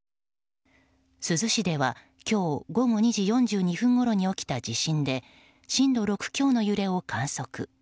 珠洲市では今日午後２時４２分ごろに起きた地震で震度６強の揺れを観測。